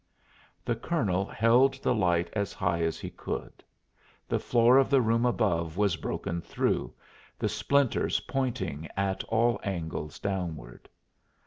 The colonel held the light as high as he could. The floor of the room above was broken through, the splinters pointing at all angles downward.